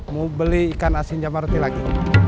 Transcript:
mau beli ikan asin jambal roti lagi